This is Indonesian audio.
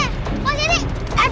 apa warung saya kebakaran